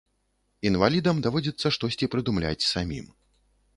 Інвалідам даводзіцца штосьці прыдумляць самім.